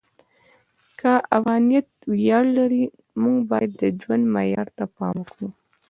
که افغانیت ویاړ لري، موږ باید د ژوند معیار ته پام وکړو.